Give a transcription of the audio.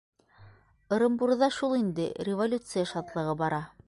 — Ырымбурҙа шул инде, революция шатлығы бара.